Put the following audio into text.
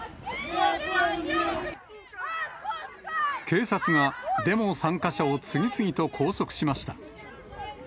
警察がデモ参加者を次々と拘束しました。